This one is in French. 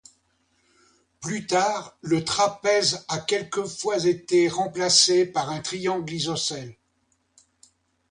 Plus tard, le trapèze a quelquefois été remplacé par un triangle isocèle.